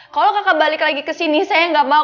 kalau kakak balik lagi ke sini saya nggak mau